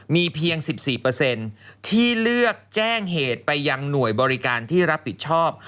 มีเพียง๑๔ที่เลือกแจ้งเหตุไปยังหน่วยบริการที่รับผิดชอบ